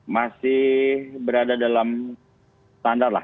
masih berada dalam standar lah